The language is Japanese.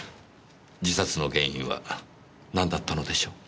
自殺の原因は何だったのでしょう？